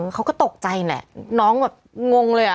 เขาก็ตกใจแหละน้องแบบงงเลยอ่ะ